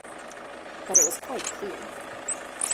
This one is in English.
But it was quite clear.